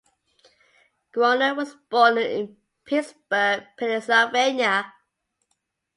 Groner was born in Pittsburgh Pennsylvania.